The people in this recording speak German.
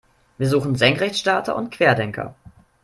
Wir suchen Senkrechtstarter und Querdenker.